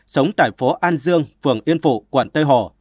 sống tại phố an dương phường yên phụ quận tây hồ